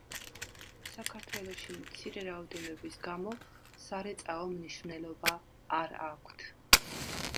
საქართველოში მცირე რაოდენობის გამო სარეწაო მნიშვნელობა არ აქვთ.